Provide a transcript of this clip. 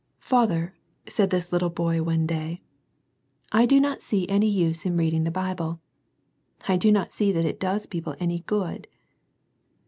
" Father," said this little boy one day, " I do not see any use in reading the Bible. I do not see that it does people any good."